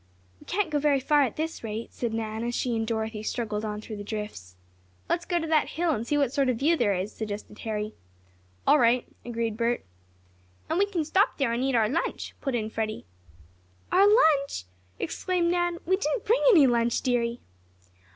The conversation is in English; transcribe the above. "We can't go very far at this rate," said Nan, as she and Dorothy struggled on through the drifts. "Let's go to that hill, and see what sort of view there is," suggested Harry. "All right," agreed Bert. "And we can stop there and eat our lunch," put in Freddie. "Our lunch!" exclaimed Nan. "We didn't bring any lunch, dearie!"